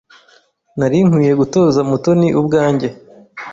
Nari nkwiye gutoza Mutoni ubwanjye.